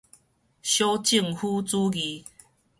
小政府主義